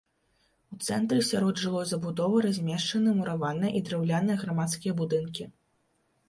У цэнтры сярод жылой забудовы размешчаны мураваныя і драўляныя грамадскія будынкі.